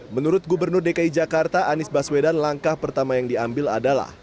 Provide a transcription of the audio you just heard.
menurut gubernur dki jakarta anies baswedan langkah pertama yang diambil adalah